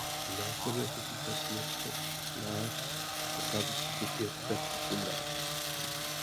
Následuje po čísle pět set šestnáct a předchází číslu pět set osmnáct.